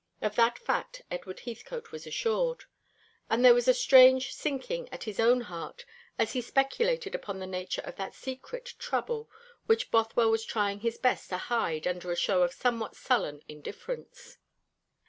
Of that fact Edward Heathcote was assured; and there was a strange sinking at his own heart as he speculated upon the nature of that secret trouble which Bothwell was trying his best to hide under a show of somewhat sullen indifference.